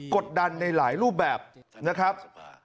กดดันในหลายรูปแบบนะครับ